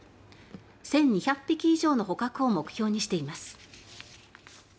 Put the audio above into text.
１２００匹以上の捕獲を目標にしています。